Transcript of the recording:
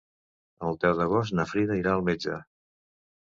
El deu d'agost na Frida irà al metge.